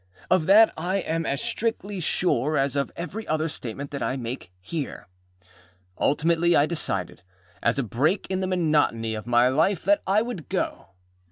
Of that I am as strictly sure as of every other statement that I make here. Ultimately I decided, as a break in the monotony of my life, that I would go.